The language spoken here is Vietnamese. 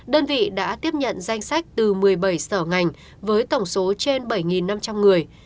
đơn vị đã tiếp nhận danh sách từ một mươi bảy sở ngành với tổng số trên bảy năm trăm linh người